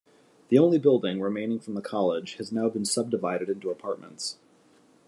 The only building remaining from the college has now been subdivided into apartments.